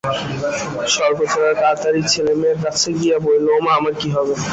সর্বজয়া তাড়াতাড়ি ছেলে-মেয়ের কাছে গিয়া বলিল, ওমা আমার কি হবে।